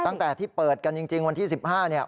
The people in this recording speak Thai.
ตั้งแต่ที่เปิดกันจริงวันที่๑๕เนี่ย